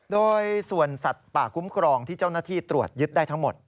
โดยส่วนสัตว์ป่าคุ้มครองที่เจ้าหน้าที่ตรวจยึดได้ทั้งหมด